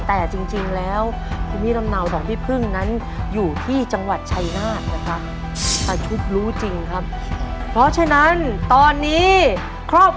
แต่จริงจริงแล้วคุณพี่ลำหนาวสองพี่เพื่้งนั้นอยู่ที่จังหวัดไชนาธิ์นะครับ